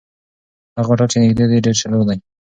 هغه هوټل چې نږدې دی، ډېر شلوغ دی.